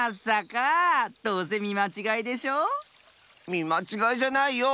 みまちがいじゃないよ。